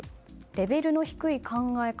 レベルの低い考え方